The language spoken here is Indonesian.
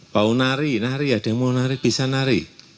mau nari nari ada yang mau nari bisa nari